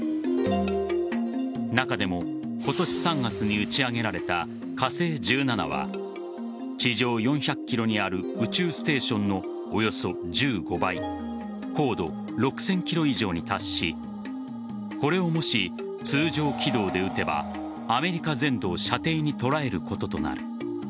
中でも今年３月に打ち上げられた火星１７は地上４００ｋｍにある宇宙ステーションのおよそ１５倍高度６０００ｋｍ以上に達しこれを、もし通常軌道で打てばアメリカ全土を射程に捉えることとなる。